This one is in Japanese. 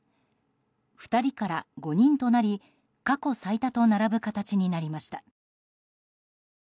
２人から５人となり過去最多と並ぶ形になりました。